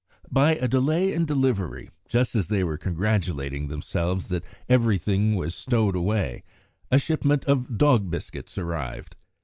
By a delay in delivery, just as they were congratulating themselves that everything was stowed away, a shipment of dog biscuits arrived.